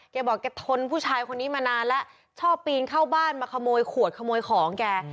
แกบอกแกทนผู้ชายคนนี้มานานแล้วชอบปีนเข้าบ้านมาขโมยขวดขโมยของแก